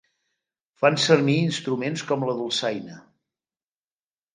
Fan servir instruments com la dolçaina.